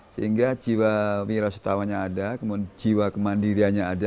sehingga jiwa mirasetawanya ada kemudian jiwa kemandirianya ada